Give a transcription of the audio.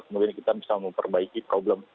kemudian kita bisa memperbaiki problem